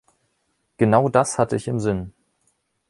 Genau das hatte ich im Sinn.